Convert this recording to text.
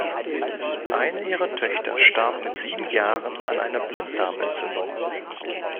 Eine ihrer Töchter starb mit sieben Jahren an einer Blinddarmentzündung.